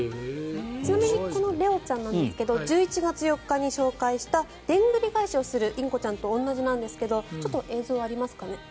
ちなみにレオちゃんですが１１月４日に紹介したでんぐり返しをするインコちゃんと一緒なんですけどちょっと映像ありますかね。